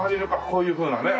こういうふうなね。